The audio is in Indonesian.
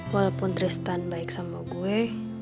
walaupun tristan baik sama gue